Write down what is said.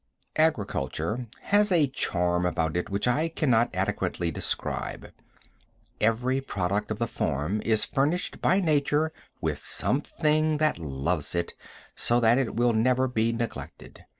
Agriculture has a charm about it which I can not adequately describe. Every product of the farm is furnished by nature with something that loves it, so that it will never be neglected.